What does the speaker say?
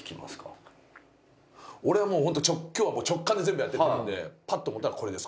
俺はもう本当今日は直感で全部やってるんでパッと思ったのはこれです。